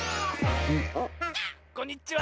こんにちは！